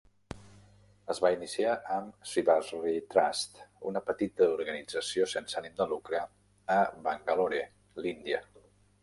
Es va iniciar amb Sivasri Trust, una petita organització sense ànim de lucre, a Bangalore, l'Índia.